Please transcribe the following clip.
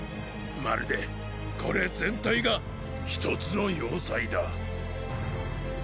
まるでこれ全体が一つの要塞だ。